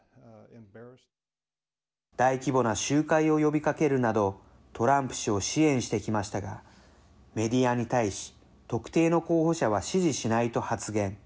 大規模な集会を呼びかけるなどトランプ氏を支援してきましたがメディアに対し、特定の候補者は支持しないと発言。